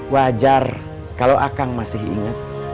wajar kalau akang masih ingat